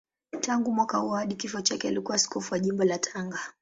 Tangu mwaka huo hadi kifo chake alikuwa askofu wa Jimbo la Tanga.